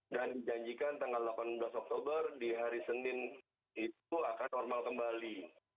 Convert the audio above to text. dan dijanjikan tanggal delapan belas oktober di hari senin itu akan normal kembali